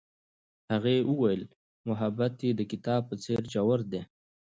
هغې وویل محبت یې د کتاب په څېر ژور دی.